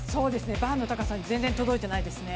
バーの高さに全然届いてないですね。